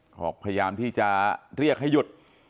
พยายามที่จะเรียกให้หยุด